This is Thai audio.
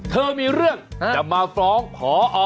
เธอมีเรื่องจะมาฟ้องพอ